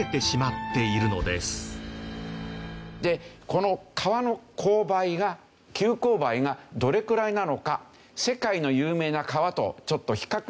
でこの川の勾配が急勾配がどれくらいなのか世界の有名な川とちょっと比較してみましょう。